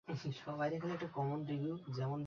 যেন আমরা কোনোদিন উহার কোনো আদর-যত্ন করি নাই।